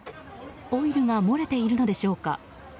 オイルが漏れているのでしょうか。